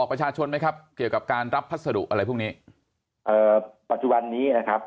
ปัจจุบันนี้นะครับ